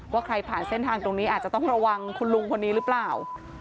ว่าใครผ่านเส้นทางตรงนี้อาจจะต้องระวังคุณลุงคนนี้หรือเปล่า